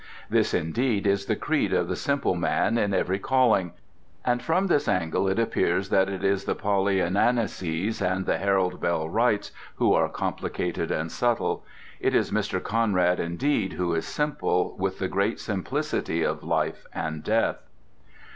This, indeed, is the creed of the simple man in every calling; and from this angle it appears that it is the Pollyananiases and the Harold Bell Wrights who are complicated and subtle; it is Mr. Conrad, indeed, who is simple with the great simplicity of life and death.